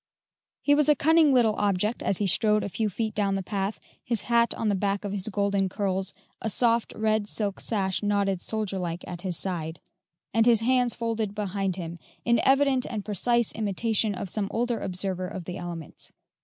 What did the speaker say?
He was a cunning little object as he strode a few feet down the path, his hat on the back of his golden curls, a soft, red silk sash knotted soldier like at his side, and his hands folded behind him, in evident and precise imitation of some older observer of the elements.